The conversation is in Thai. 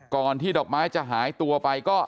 ที่ดอกไม้จะหายตัวไปก็